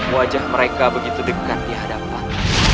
wajah mereka begitu dekat dihadapan